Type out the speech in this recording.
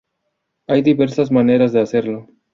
Hay diversas maneras de hacerlo.